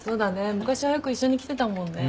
昔はよく一緒に来てたもんね。